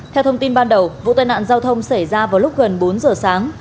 theo thông tin ban đầu vụ tai nạn giao thông xảy ra vào lúc gần bốn giờ sáng